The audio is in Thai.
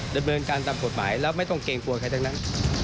ดำเนินการตามกฎหมายแล้วไม่ต้องเกรงกลัวใครทั้งนั้น